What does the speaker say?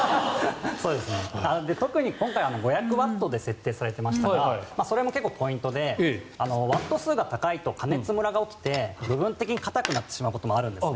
特に今回、５００ワットで設定されてましたがそれも結構ポイントでワット数が高いと加熱むらが起きて部分的に硬くなってしまうこともあるんですね。